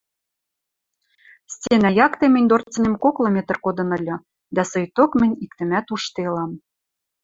Стенӓ якте мӹнь дорцынем коклы метр кодын ыльы, дӓ сойток мӹнь иктӹмӓт ужделам.